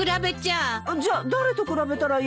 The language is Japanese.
あじゃあ誰と比べたらいいの？